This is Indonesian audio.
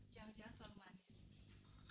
jangan jangan terlalu manis